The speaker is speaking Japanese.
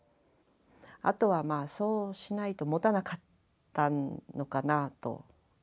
あとはまあそうしないともたなかったのかなと。